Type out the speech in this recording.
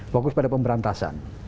fokus pada pemberantasan